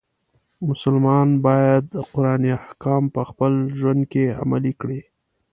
مسلمان باید د قرآن احکام په خپل ژوند کې عملی کړي.